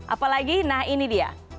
apalagi nah ini dia